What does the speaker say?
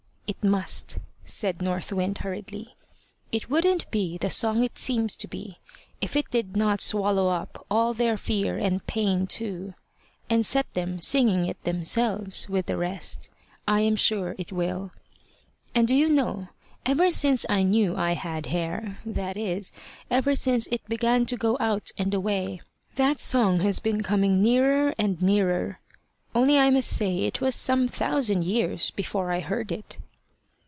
It must," said North Wind, hurriedly. "It wouldn't be the song it seems to be if it did not swallow up all their fear and pain too, and set them singing it themselves with the rest. I am sure it will. And do you know, ever since I knew I had hair, that is, ever since it began to go out and away, that song has been coming nearer and nearer. Only I must say it was some thousand years before I heard it."